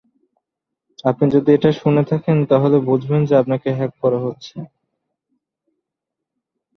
এই কারণে শংকরদেব আহোম রাজ্য ছেড়ে কোচ রাজ্যে আশ্রয় নেন।